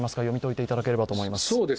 読み解いていただければと思います。